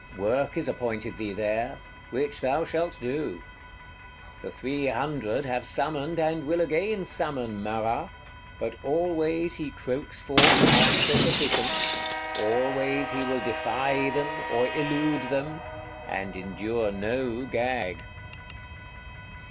Work is appointed thee there; which thou shalt do. The Three Hundred have summoned and will again summon Marat: but always he croaks forth answer sufficient; always he will defy them, or elude them; and endure no gag.